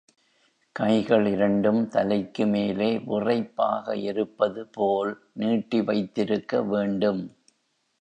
கைகள் இரண்டும் தலைக்கு மேலே விறைப்பாக இருப்பது போல் நீட்டி வைத்திருக்க வேண்டும்.